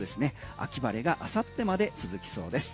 秋晴れが明後日まで続きそうです。